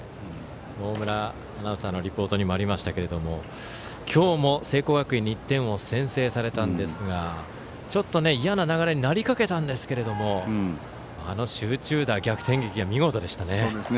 大村アナウンサーのリポートにもありましたけど今日も聖光学院に１点を先制されたんですがちょっと嫌な流れになりかけたんですけどあの集中打、逆転劇は見事でしたね。